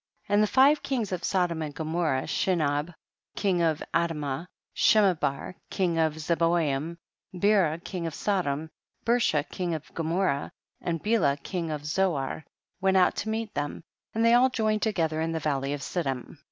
3. And the five kings of Sodom and Gomorrah, Shinab king of Ad mah, Shemeber king of Zeboyim, Bera king of Sodom, Bersha king of Gomorrah, and Bela king of Zo ar, went out to meet them, and they all joined together in the valley of Siddim.